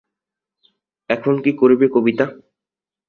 এখন কি করবে কবিতা?